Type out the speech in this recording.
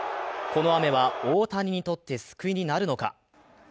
この雨は大谷にとって救いになるのか。